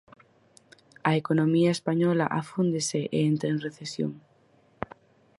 A economía española afúndese e entra en recesión.